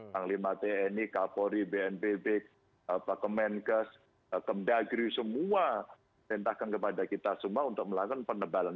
pmtni kapolri bnpb kemenkes kemdagri semua tentakan kepada kita semua untuk melakukan penebalan